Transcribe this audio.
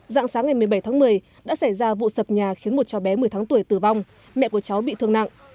dạng sáng ngày một mươi bảy tháng một mươi đã xảy ra vụ sập nhà khiến một cháu bé một mươi tháng tuổi tử vong mẹ của cháu bị thương nặng